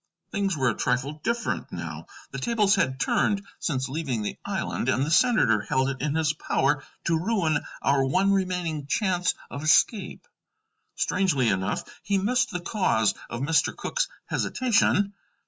Things were a trifle different now. The tables had turned since leaving the island, and the senator held it in his power to ruin our one remaining chance of escape. Strangely enough, he missed the cause of Mr. Cooke's hesitation.